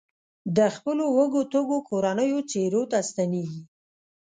د خپلو وږو تږو کورنیو څپرو ته ستنېږي.